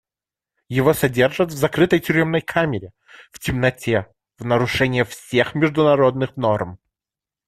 Его содержат в закрытой тюремной камере, в темноте, в нарушение всех международных норм.